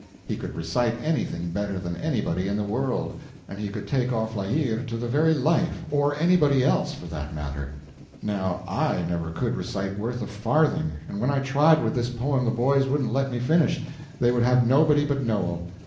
He could recite anything better than anybody in the world, and he could take of La Hire to the very life—or anybody else, for that matter. Now I never could recite worth a farthing; and when I tried with this poem the boys wouldn't let me finish; they would have nobody but Noel.